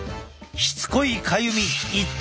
しつこいかゆみ一体